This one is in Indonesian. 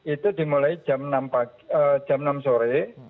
itu dimulai jam enam sore